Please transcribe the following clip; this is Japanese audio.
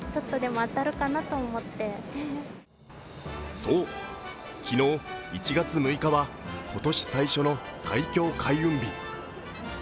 そう、昨日１月６日は今年最初の最強開運日。